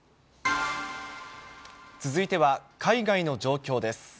続いては、海外の状況です。